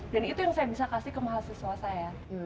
dan itu yang saya bisa kasih ke mahasiswa saya